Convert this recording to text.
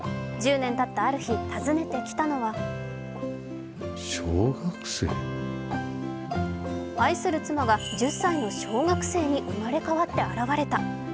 １０年たったある日、訪ねてきたのは愛する妻は１０歳の小学生に生まれ変わって現れた。